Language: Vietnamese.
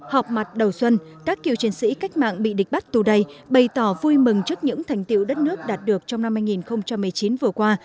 họp mặt đầu xuân các cựu chiến sĩ cách mạng bị địch bắt tù đầy bày tỏ vui mừng trước những thành tiệu đất nước đạt được trong năm hai nghìn một mươi chín vừa qua